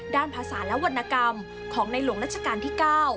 ภาษาและวรรณกรรมของในหลวงรัชกาลที่๙